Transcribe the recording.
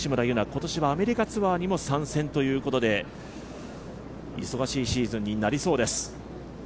今年はアメリカツアーにも参戦ということで忙しいシーズンになりそうです。